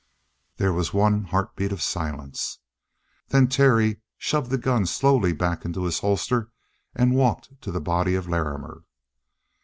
There was one heartbeat of silence. Then Terry shoved the gun slowly back into his holster and walked to the body of Larrimer.